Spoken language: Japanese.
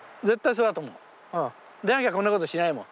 じゃなきゃこんなことしないもん。